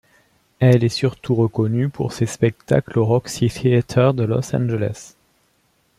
Elle est surtout reconnue pour ses spectacles au Roxy Theater de Los Angeles.